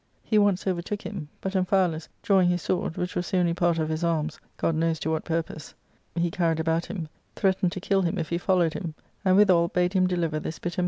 He once overtook him; but Amphialus, drawing his sword, which was the only part of his arms (God knows to ]what purpose) he carried about him, threatened to kill him if I he followed him ; and withal bade him deliver this bitted